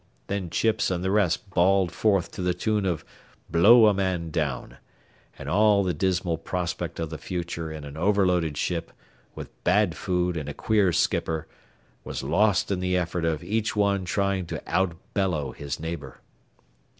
Then Chips and the rest bawled forth to the tune of "Blow a man down," and all the dismal prospect of the future in an overloaded ship, with bad food and a queer skipper, was lost in the effort of each one trying to out bellow his neighbor.